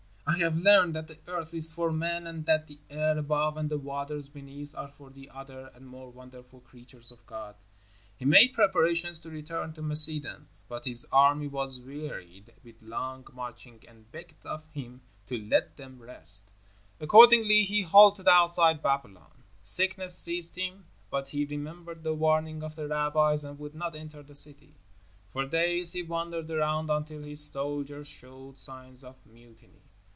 I have learned that the earth is for man and that the air above and the waters beneath are for the other and more wonderful creatures of God." He made preparations to return to Macedon, but his army was wearied with long marching and begged of him to let them rest. Accordingly, he halted outside Babylon. Sickness seized him, but he remembered the warning of the rabbis and would not enter the city. For days he wandered around until his soldiers showed signs of mutiny.